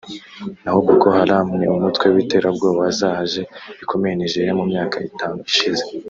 naho Boko Haram ni umutwe w’iterabwoba wazahaje bikomeye Nigeria mu myaka itanu ishize